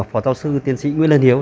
phó giáo sư tiến sĩ nguyễn lân hiếu